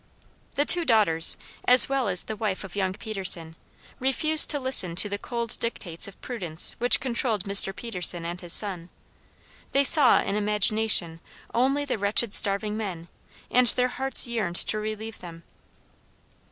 The two daughters, as well as the wife of young Peterson, refused to listen to the cold dictates of prudence which controlled Mr. Peterson and his son: they saw in imagination only the wretched starving men, and their hearts yearned to relieve them.